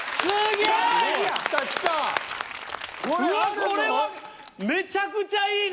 これはめちゃくちゃいいな。